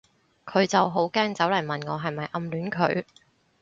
佢就好驚走嚟問我係咪暗戀佢